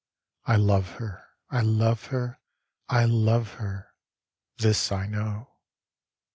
I love her, I love her, I love her, This I know.